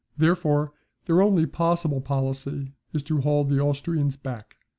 Therefore their only possible policy is to hold the Austrians back.